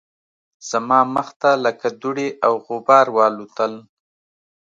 زما مخ ته لکه دوړې او غبار والوتل